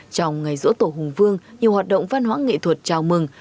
trong ngày dỗ tổ hùng vương nhiều hoạt động văn hóa nghệ thuật chào mừng